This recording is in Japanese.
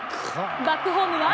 バックホームは？